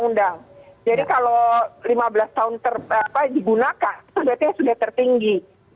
undang jadi kalau lima belas tahun digunakan itu berarti sudah tertinggi